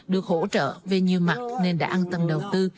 được hỗ trợ về nhiều mặt nên đã ăn tầm đầu tư